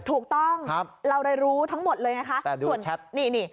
ถูกต้องเราแรรู้ทั้งหมดเลยไงครับส่วนนี่พี่แต่ดูแชท